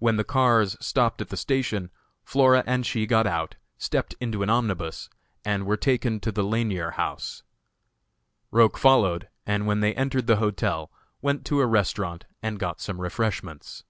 When the cars stopped at the station Flora and she got out, stepped into an omnibus, and were taken to the Lanier House. Roch followed, and when they entered the hotel, went to a restaurant and got some refreshments.